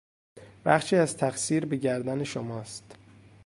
بخشی از تقصیر به گردن شماست.